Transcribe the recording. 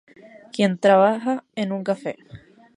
Quien trabaja en un cafe.